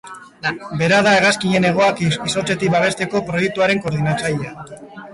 Bera da hegazkinen hegoak izotzetik babesteko proiektuaren koordinatzailea.